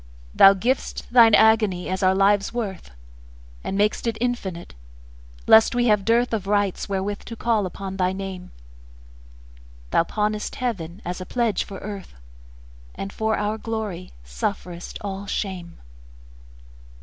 Thou giv'st Thine agony as our life's worth, And mak'st it infinite, lest we have dearthOf rights wherewith to call upon thy Name; Thou pawnest Heaven as a pledge for Earth, And for our glory sufferest all shame.